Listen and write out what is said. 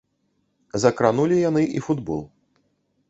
Закранулі яны і футбол.